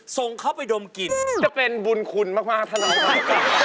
ส่งเข้าไปดมกลิ่นจะเป็นบุญคุณมากมากท่านครับ